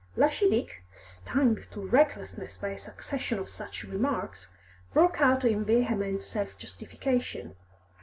Lushy Dick, stung to recklessness by a succession of such remarks, broke out in vehement self justification.